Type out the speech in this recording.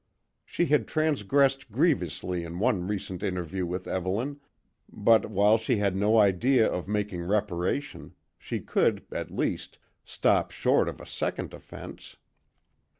She had transgressed grievously in one recent interview with Evelyn, but, while she had no idea of making reparation, she could, at least, stop short of a second offence.